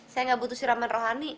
saya nggak butuh siraman rohani